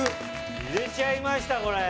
「入れちゃいましたこれ」